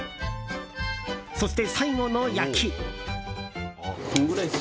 そして最後の焼き。